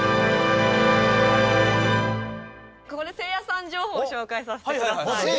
ここでせいやさん情報を紹介させてください。